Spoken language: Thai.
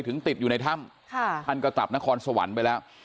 ติดอยู่ในถ้ำท่านก็กลับนครสวรรค์ไปแล้ว